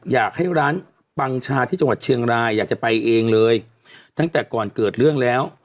อยากให้ร้านปังชาที่จังหวัดเชียงรายอยากจะไปเองเลยตั้งแต่ก่อนเกิดเรื่องแล้ว